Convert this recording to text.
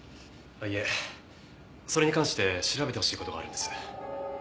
いえそれに関して調べてほしい事があるんです。